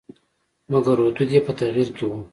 مګر حدود یې په تغییر کې وو.